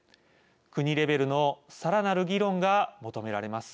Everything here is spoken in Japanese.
国レベルのさらなる議論が求められます。